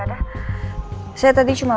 video mainkan sekali cocoknya